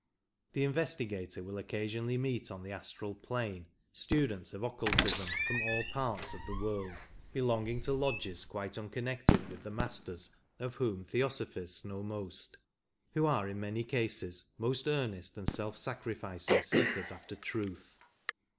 The investigator will occasionally 23 meet on the astral plane students of occultism from all parts of the world (belonging to lodges quite unconnected with the Masters of whom Theosophists know most) who are in many cases most earnest and self sacrificing seekers after truth.